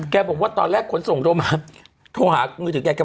บอกว่าตอนแรกขนส่งโทรมาโทรหามือถือแก